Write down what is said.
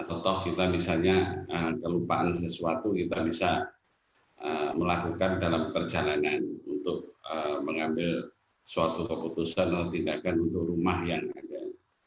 atau toh kita misalnya kelupaan sesuatu kita bisa melakukan dalam perjalanan untuk mengambil suatu keputusan atau tindakan untuk rumah yang ada